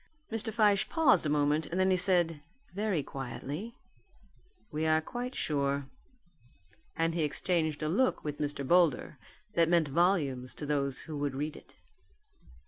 Mr. Fyshe paused a moment and then he said very quietly, "We are quite sure," and he exchanged a look with Mr. Boulder that meant volumes to those who would read it.